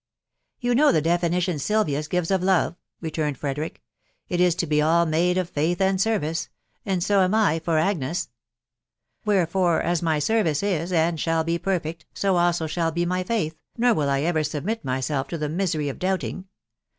5M3 •' You know the definition Silvius gives of love/' returned Frederick. " It is to be all made of faith and service .... and so am I for Agnes. •.. Wherefore, as my service is, and shall be perfect, so also shall be my faith, nor will I ever sub mit myself to the misery of doubting.